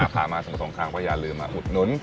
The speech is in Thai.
พามาสงสมข้างพ่อยอย่าลืมอุดหนุน